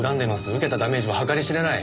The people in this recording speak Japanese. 受けたダメージも計り知れない。